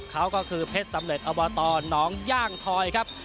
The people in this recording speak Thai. เขาก็คือเพชรสำเร็จอบตหนองย่างทอยครับ